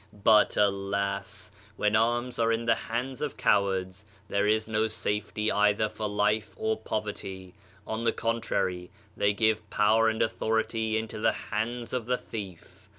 But alasl when arms are in the hands of cowards, there is no safety either for life or property. On the contrary, they give power and autiiority into the hands of the thief.